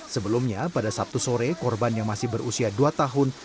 sebelumnya pada sabtu sore korban yang masih berusia dua tahun